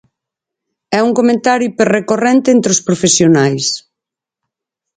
É un comentario hiperrecorrente entres os profesionais.